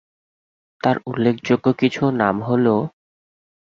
তার উল্লেখযোগ্য কিছু নাম দেওয়া হলোঃ